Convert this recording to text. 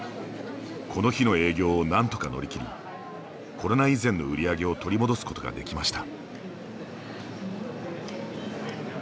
この日の営業をなんとか乗り切りコロナ以前の売り上げを取り戻すことができました。